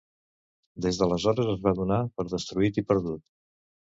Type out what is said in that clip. Des d'aleshores es va donar per destruït i perdut.